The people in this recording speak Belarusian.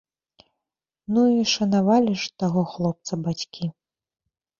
Ну і шанавалі ж таго хлопца бацькі.